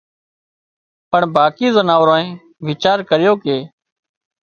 پڻ باقي زناوارنئي ويچار ڪريو ڪي